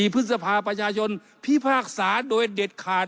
พฤษภาประชาชนพิพากษาโดยเด็ดขาด